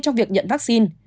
trong việc nhận vaccine